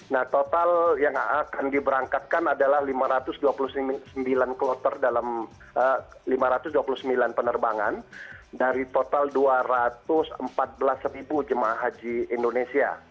nah total yang akan diberangkatkan adalah lima ratus dua puluh sembilan kloter dalam lima ratus dua puluh sembilan penerbangan dari total dua ratus empat belas jemaah haji indonesia